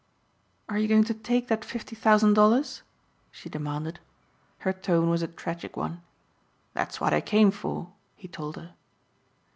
"Are you going to take that fifty thousand dollars?" she demanded. Her tone was a tragic one. "That's what I came for," he told her.